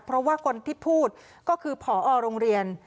เพราะว่าคนที่พูดก็คือผอโรงเรียน